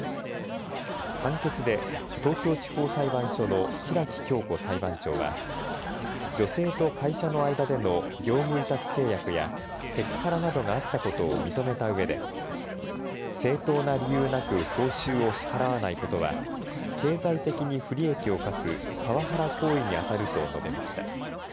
判決で東京地方裁判所の平城恭子裁判長は女性と会社の間での業務委託契約やセクハラなどがあったことを認めたうえで正当な理由なく報酬を支払わないことは経済的に不利益を課すパワハラ行為に当たると述べました。